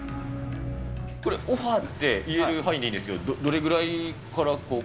これ、オファーって、言える範囲でいいんですけれども、どれぐらいから？